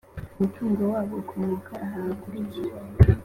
Umutungo wabo ukomoka aha hakurikira